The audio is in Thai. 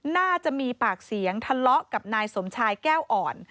น่าจะมีปากเสียงทะเลาะกับนายสมชายแก้วอ่อน